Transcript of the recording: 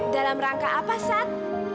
dalam rangka apa sat